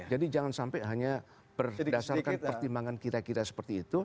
jadi jangan sampai hanya berdasarkan pertimbangan kira kira seperti itu